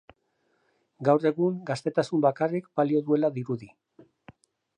Gaur egun gaztetasunak bakarrik balio duela dirudi.